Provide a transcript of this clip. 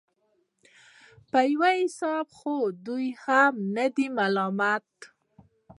په يو حساب خو دوى هم نه دي ملامت.